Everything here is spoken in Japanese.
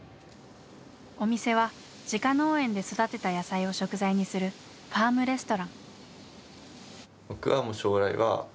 お店は自家農園で育てた野菜を食材にするファームレストラン。